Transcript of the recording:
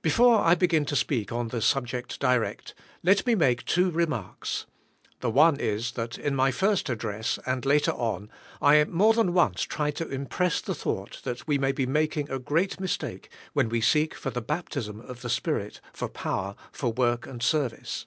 Before I beg in to speak on the subject direct, let me make two remarks. The one is, that in my first ad dress, and later on, I more than once tried to im press the thoug"ht, that we may be making a g reat mistake when we seek for the baptism of the Spirit for power for work and service.